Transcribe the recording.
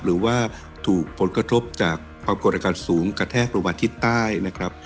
หรือว่าถูกผลกระทบจากความกดอากาศสูงกระแทกลงมาทิศใต้นะครับ